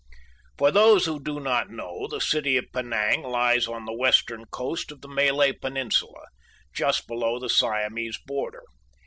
For those who do not know, the City of Penang lies on the western coast of the Malay Peninsula, just below the Siamese border.